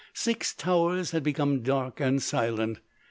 Six Towers had become dark and silent.